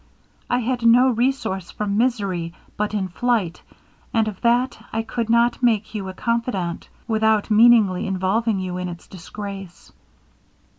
I had no resource from misery, but in flight; and of that I could not make you a confidant, without meanly involving you in its disgrace.'